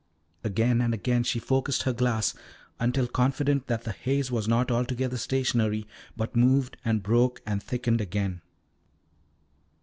Again and again she focused her glass, until confident that the haze was not altogether stationary, but moved and broke and thickened again.